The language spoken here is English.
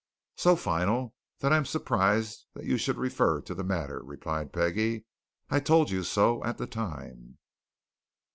"So final that I am surprised that you should refer to the matter," replied Peggie. "I told you so at the time."